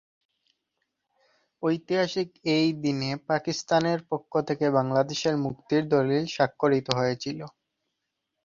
ঐতিহাসিক এই দিনে পাকিস্তানের পক্ষ থেকে বাংলাদেশের মুক্তির দলিল স্বাক্ষরিত হয়েছিল।